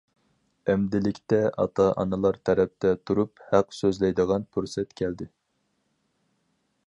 ئەمدىلىكتە ئاتا- ئانىلار تەرەپتە تۇرۇپ ھەق سۆزلەيدىغان پۇرسەت كەلدى.